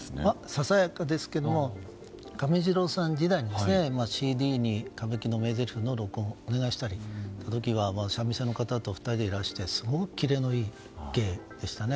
ささやかですけども亀治郎さん時代にＣＤに歌舞伎の名せりふの録音をお願いしたり三味線の方と２人でいらしてすごくキレのいい芸でしたね。